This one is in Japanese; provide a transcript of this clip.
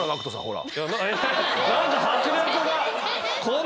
ほら。